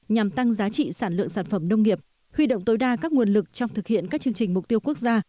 nhằm tăng giá trị sản lượng sản phẩm nông nghiệp huy động tối đa các nguồn lực trong thực hiện các chương trình mục tiêu quốc gia